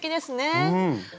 うん！